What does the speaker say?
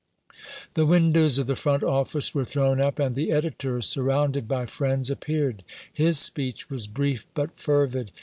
The windows of the front office were thrown up, and the editor, surrounded by friends, appeared. His speech was brief but fervid.